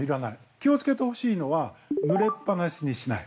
気をつけてほしいのはぬれっぱなしにしない。